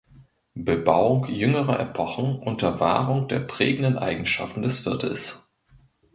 Bebauung jüngerer Epochen unter Wahrung der prägenden Eigenschaften des Viertels.